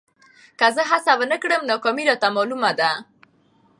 که زه هڅه ونه کړم، ناکامي راته معلومه ده.